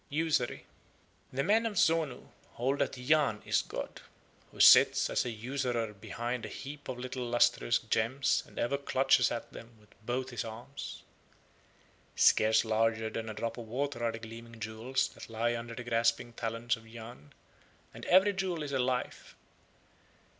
USURY The men of Zonu hold that Yahn is God, who sits as a usurer behind a heap of little lustrous gems and ever clutches at them with both his arms. Scarce larger than a drop of water are the gleaming jewels that lie under the grasping talons of Yahn, and every jewel is a life.